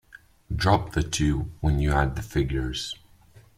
Drop the two when you add the figures.